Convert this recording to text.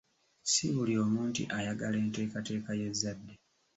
Si buli omu nti ayagala enteekateeka y'ezzadde.